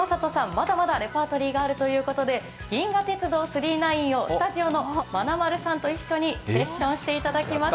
まだまだレパートリーがあるということで、「銀河鉄道９９９」をスタジオのまなまるさんと一緒にセッションしていただきます。